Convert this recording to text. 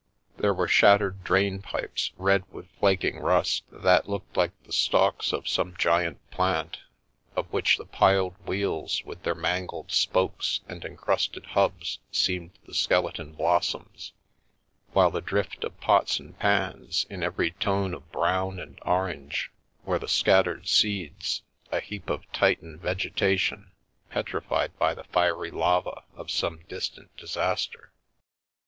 There were shattered drain pipes, red with flak ing rust, that looked like the stalks of some giant plant of which the piled wheels with their mangled spokes and encrusted hubs seemed the skeleton blossoms, whih the drift of pots and pans, in every tone of brown anc orange, were the scattered seeds — a heap of Titan vege tation, petrified by the fiery lava of some distant disas ter.